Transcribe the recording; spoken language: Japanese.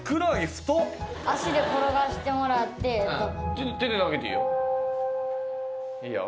足で転がしてもらって手で投げていいよいいよ